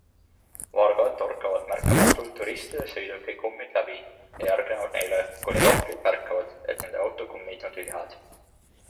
Vargad torkavad märkamatult turistide sõiduki kummid läbi ja järgnevad neile, kuni ohvrid märkavad, et nende autokummid on tühjad.